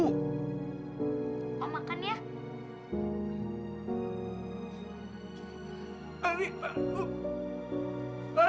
om makan ya